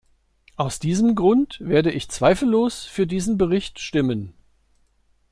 Aus diesem Grund werde ich zweifellos für diesen Bericht stimmen.